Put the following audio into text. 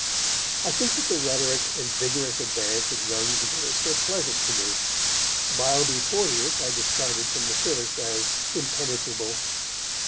I think that the rhetoric and vigorous advance of Young's verse were pleasant to me. Beilby Porteus I discarded from the first as impenetrable.